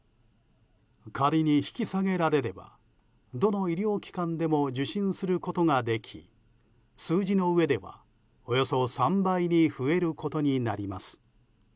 仮に引き下げられればどの医療機関でも受診することができ数字の上ではおよそ３倍に増えることになります。